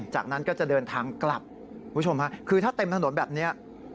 จากนั้นก็จะเดินทางกลับคุณผู้ชมฮะคือถ้าเต็มถนนแบบนี้